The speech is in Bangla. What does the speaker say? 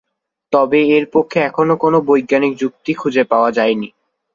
তবে এর পক্ষে এখনও কোনো বৈজ্ঞানিক যুক্তি খুজে পাওয়া যায়নি।